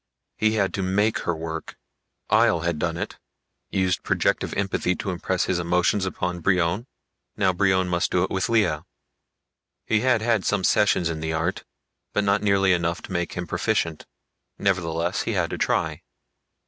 He had to make her work. Ihjel had done it used projective empathy to impress his emotions upon Brion. Now Brion must do it with Lea. He had had some sessions in the art, but not nearly enough to make him proficient. Nevertheless he had to try.